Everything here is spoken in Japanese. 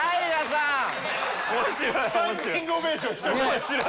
スタンディングオベーションしてる。